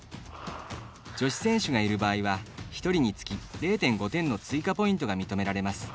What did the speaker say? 女子選手がいる場合は１人につき０．５点の追加ポイントが認められます。